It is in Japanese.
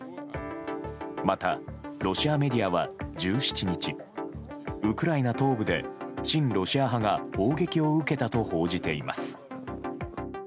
また、ロシアメディアは１７日ウクライナ東部で親ロシア派が砲撃を受けたと報じています。